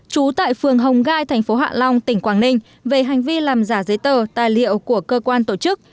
trú tại phường hồng gai thành phố hạ long tỉnh quảng ninh về hành vi làm giả giấy tờ tài liệu của cơ quan tổ chức